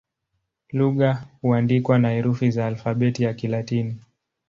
Lugha huandikwa na herufi za Alfabeti ya Kilatini.